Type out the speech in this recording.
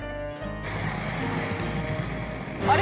あれ？